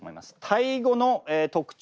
タイ語の特徴